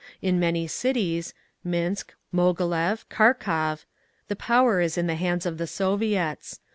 In many cities (Minsk, Moghilev, Kharkov) the power is in the hands of the Soviets.